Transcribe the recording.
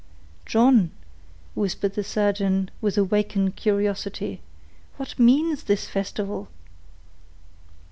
"John," whispered the surgeon, with awakened curiosity, "what means this festival?"